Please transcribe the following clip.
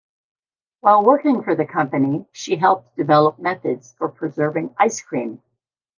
While working for the company she helped develop methods for preserving ice cream.